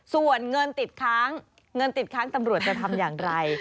ส่วนเงินติดค้างเงินติดค้างตำรวจจะทำอย่างไร